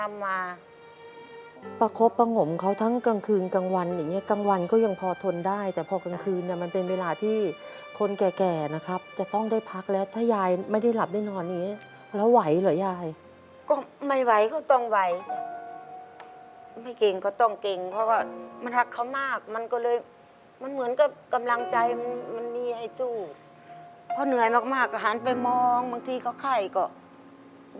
อาการชักเกร็งอาการที่สุดนี่ก็คืออาการชักเกร็งอาการที่สุดนี่ก็คืออาการชักเกร็งอาการที่สุดนี่ก็คืออาการชักเกร็งอาการที่สุดนี่ก็คืออาการชักเกร็งอาการที่สุดนี่ก็คืออาการชักเกร็งอาการที่สุดนี่ก็คืออาการชักเกร็งอาการที่สุดนี่ก็คืออาการชักเกร็งอาการชักเกร็งอ